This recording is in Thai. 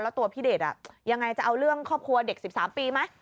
แล้วตัวพี่เดชยังไงจะเอาเรื่องครอบครัวเด็ก๑๓ปีไหม